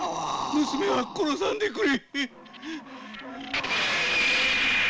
娘は殺さんでくれ！